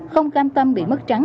không cam tâm bị mất trắng